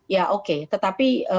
ya oke tetapi